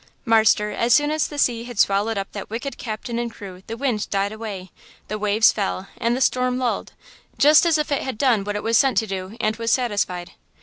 "Marster, as soon as the sea had swallowed up that wicked captain and crew the wind died away, the waves fell and the storm lulled–just as if it had done what it was sent to do and was satisfied.